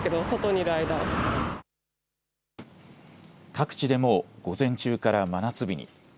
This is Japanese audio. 各地でも午前中から真夏日に。